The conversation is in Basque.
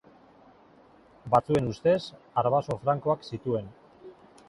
Batzuen ustez, arbaso frankoak zituen.